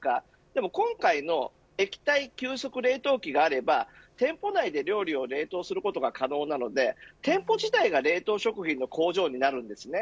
でも今回の液体急速機があれば店舗内で料理を冷凍することが可能なので店舗自体が冷凍食品の工場になるんです。